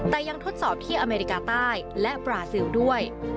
แต่ยังทดสอบที่อเมริกาใต้และบราซิลด้วย